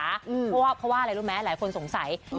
เพราะว่าอะไรรู้ไหมหลายคนสงสัย